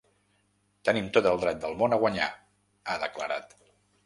Tenim tot el dret del món a guanyar, ha declarat.